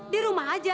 di rumah aja